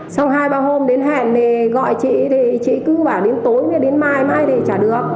xong hai ba hôm đến hẹn thì gọi chị thì chị cứ bảo đến tối đến mai mai thì trả được